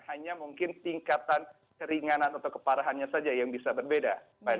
hanya mungkin tingkatan keringanan atau keparahannya saja yang bisa berbeda